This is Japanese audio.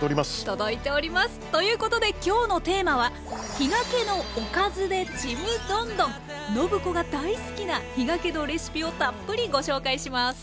届いております！ということで今日のテーマは暢子が大好きな比嘉家のレシピをたっぷりご紹介します。